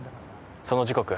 その時刻